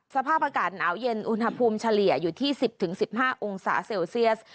สภาพอากาศหนาวเย็นอุณหภูมิเฉลี่ยอยู่ที่๑๐๑๕องศาเซลเซียส